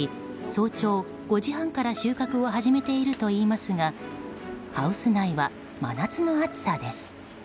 早朝５時半から収穫を始めているといいますがハウス内は真夏の暑さです。